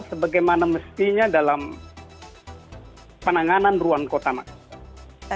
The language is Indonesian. sebagaimana mestinya dalam penanganan ruang kota mas